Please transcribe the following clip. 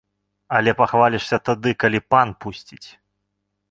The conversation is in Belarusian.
Але пахвалішся тады, калі пан пусціць.